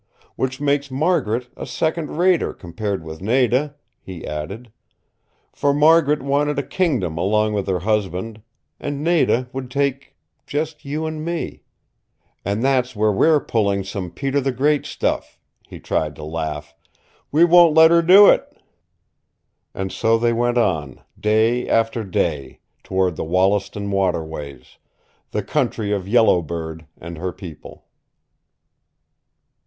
Which makes Margaret a second rater compared with Nada," he added. "For Margaret wanted a kingdom along with her husband, and Nada would take just you and me. And that's where we're pulling some Peter the Great stuff," he tried to laugh. "We won't let her do it!" And so they went on, day after day, toward the Wollaston waterways the country of Yellow Bird and her people.